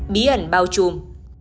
bí ẩn bao chùm